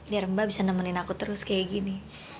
biar mbak bisa nemenin aku terus kayak gini